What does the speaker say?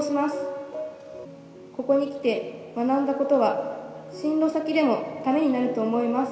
ここに来て学んだことは進路先でもためになると思います。